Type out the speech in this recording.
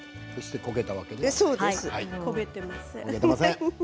焦げてません。